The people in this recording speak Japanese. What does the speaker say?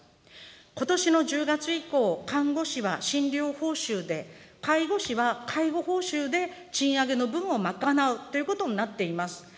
ことしの１０月以降、看護師は診療報酬で介護士は介護報酬で、賃上げの分を賄うということになっています。